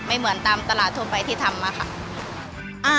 เหมือนตามตลาดทั่วไปที่ทำมาค่ะ